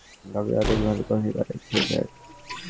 আমি অনেক ভালো কফি বানাই, খেয়ে যান?